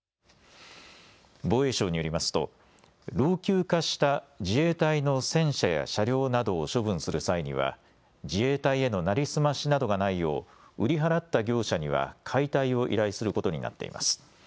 防衛省によりますと老朽化した自衛隊の戦車や車両などを処分する際には自衛隊への成り済ましなどがないよう売り払った業者には解体を依頼することになります。